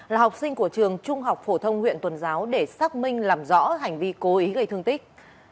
là học sinh của trường trung học phổ thông huyện tuần giáo để xác minh làm rõ hành vi cố ý gây thương tích